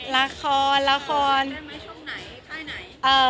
และราคอนะบ้านไหนอะไรกัน